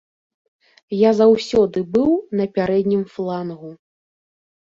Я заўсёды быў на пярэднім флангу.